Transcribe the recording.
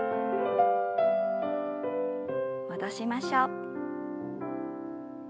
戻しましょう。